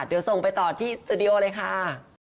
เดี๋ยวส่งไปต่อที่สตูดิโอเลยค่ะ